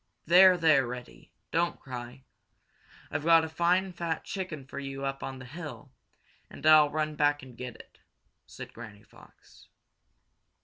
"There, there, Reddy! Don't cry. I've got a fine fat chicken for you up on the hill, and I'll run back and get it," said Granny Fox.